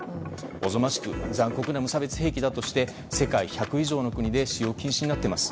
おぞましく残酷な無差別兵器だとして世界１００以上の国で使用禁止になっています。